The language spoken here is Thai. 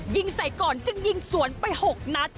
ยิงใส่ก่อนจึงยิงสวนไป๖นัด